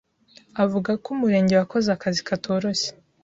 avuga ko Umurenge wakoze akazi katoroshye